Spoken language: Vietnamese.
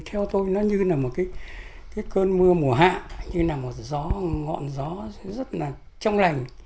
theo tôi nó như là một cái cơn mưa mùa hạ như là một gió ngọn gió rất là trong lành